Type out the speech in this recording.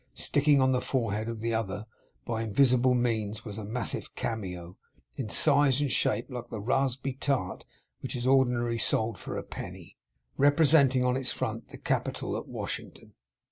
Sticking on the forehead of the other, by invisible means, was a massive cameo, in size and shape like the raspberry tart which is ordinarily sold for a penny, representing on its front the Capitol at Washington.